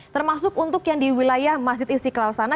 termasuk untuk yang di wilayah masjid istiqlal sana